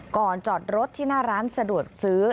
จอดรถที่หน้าร้านสะดวกซื้อ